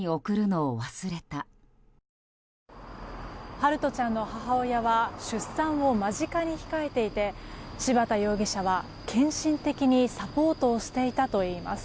陽翔ちゃんの母親は出産を間近に控えていて柴田容疑者が献身的にサポートをしていたといいます。